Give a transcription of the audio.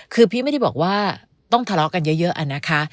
คือพี่ไม่ได้บอกว่าต้องทะเลาะกันเยอะอะนะคะ